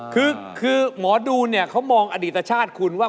คือหมอดูเนี่ยเขามองอดีตชาติคุณว่า